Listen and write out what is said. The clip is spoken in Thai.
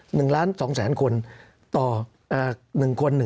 สำหรับกำลังการผลิตหน้ากากอนามัย